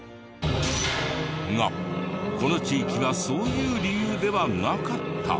がこの地域はそういう理由ではなかった。